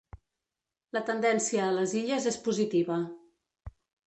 La tendència a les Illes és positiva.